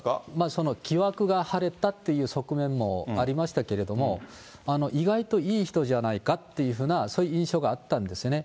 その疑惑が晴れたっていう側面もありましたけれども、意外といい人じゃないかっていうふうな、そういう印象があったんですね。